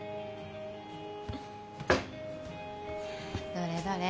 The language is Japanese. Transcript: どれどれ？